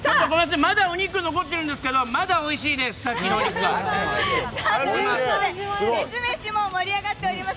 まだお肉残ってるんですけど、まだおいしいです。ということでフェス飯も盛り上がっております。